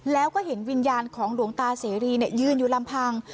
แล้วก็เห็นวิญญาณของหลวงตาเสรียืนอยู่ลำพัง